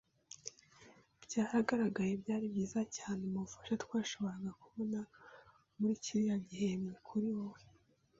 byaragaragaye, byari byiza cyane mubufasha twashoboraga kubona muri kiriya gihembwe. Kuri - wowe